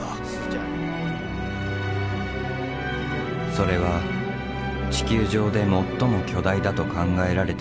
それは地球上で最も巨大だと考えられている洞窟。